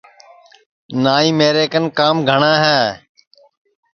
نائی میرے کن کام گھٹؔا ہے